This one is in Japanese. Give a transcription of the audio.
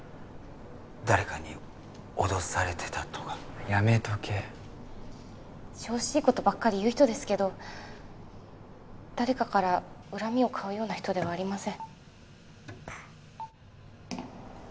誰かに脅されてたとかやめとけ調子いいことばっかり言う人ですけど誰かから恨みを買うような人ではありません